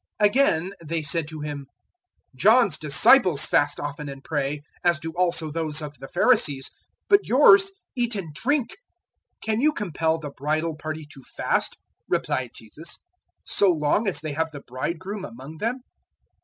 005:033 Again they said to Him, "John's disciples fast often and pray, as do also those of the pharisees; but yours eat and drink." 005:034 "Can you compel the bridal party to fast," replied Jesus, "so long as they have the bridegroom among them?